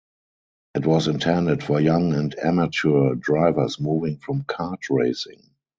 It was intended for young and amateur drivers moving from Kart racing.